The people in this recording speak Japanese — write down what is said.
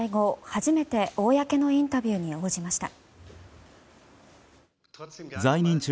初めて公のインタビューに応じました。